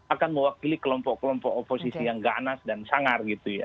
akan mewakili kelompok kelompok oposisi yang ganas dan sangar